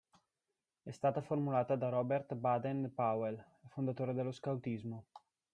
È stata formulata da Robert Baden-Powell, fondatore dello scautismo.